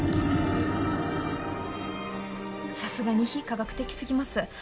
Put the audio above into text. さすがに非科学的すぎます。